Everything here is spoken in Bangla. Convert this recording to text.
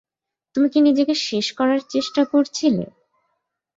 তুমি কি নিজেকে শেষ করার চেষ্টা করছিলে?